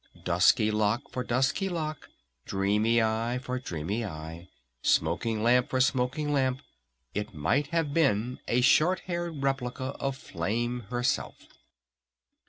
Dusky lock for dusky lock, dreamy eye for dreamy eye, smoking lamp for smoking lamp, it might have been a short haired replica of Flame herself.